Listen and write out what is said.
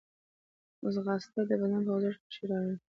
ځغاسته د بدن په خوځښت خوښي راولي